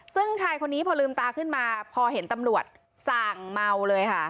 ซึ่งชายคนนี้พอลืมตาขึ้นมาพอเห็นตำรวจส่างเมาเลยค่ะ